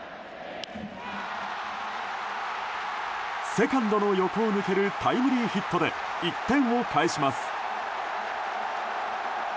セカンドの横を抜けるタイムリーヒットで１点を返します。